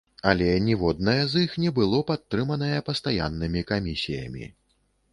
Але ніводнае з іх не было падтрыманае пастаяннымі камісіямі.